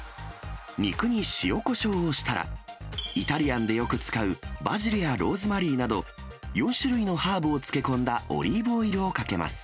肉に塩こしょうをしたら、イタリアンでよく使うバジルやローズマリーなど、４種類のハーブをつけ込んだオリーブオイルをかけます。